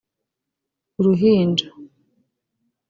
‘Uruhinja’